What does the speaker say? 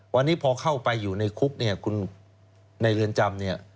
วันนี้พอเข้าไปอยู่ในคุกในเรือนจำ